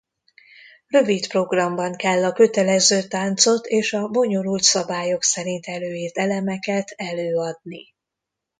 Rövid programban kell a kötelező táncot és a bonyolult szabályok szerint előírt elemeket előadni.